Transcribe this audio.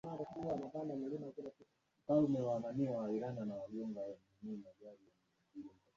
Pazia hapo unapoishi Utapanuka kila upande